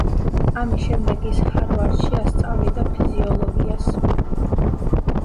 ამის შემდეგ ის ჰარვარდში ასწავლიდა ფიზიოლოგიას.